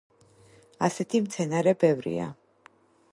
ასეთი მცენარე ბევრია.